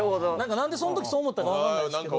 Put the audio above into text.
何でそん時そう思ったか分かんないですけど。